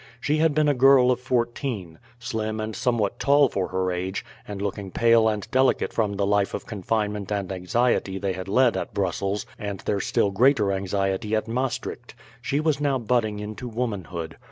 She had been a girl of fourteen slim and somewhat tall for her age, and looking pale and delicate from the life of confinement and anxiety they had led at Brussels, and their still greater anxiety at Maastricht. She was now budding into womanhood.